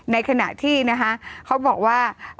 ในขณะที่นะคะเขาบอกว่า